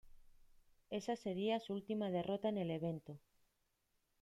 Esa sería su última derrota en el evento.